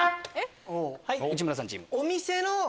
はい内村さんチーム。